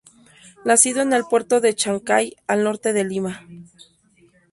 Nacido en el puerto de Chancay, al norte de Lima.